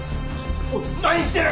おい何してる！